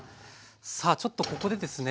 さあちょっとここでですね